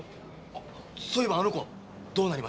あっそういえばあの子はどうなりました？